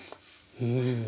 うん。